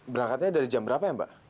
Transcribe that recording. berangkatnya dari jam berapa ya mbak